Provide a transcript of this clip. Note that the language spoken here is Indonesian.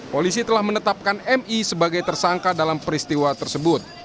polisi telah menetapkan mi sebagai tersangka dalam peristiwa tersebut